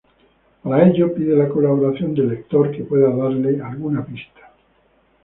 Para ello pide la colaboración del lector que pueda darle alguna pista.